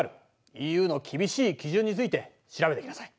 ＥＵの厳しい基準について調べてきなさい。